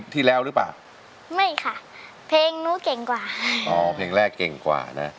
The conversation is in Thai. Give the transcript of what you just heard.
ที่แล้วหรือเปล่าไม่ค่ะเพลงนู้นเก่งกว่าอ๋อเพลงแรกเก่งกว่านะ